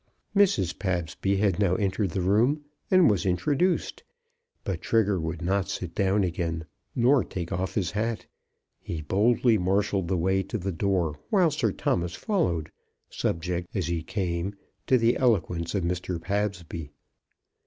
Mrs. Pabsby had now entered the room, and was introduced; but Trigger would not sit down again, nor take off his hat. He boldly marshalled the way to the door, while Sir Thomas followed, subject as he came to the eloquence of Mr. Pabsby.